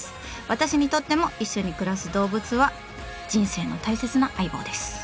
私にとっても一緒に暮らす動物は人生の大切な相棒です。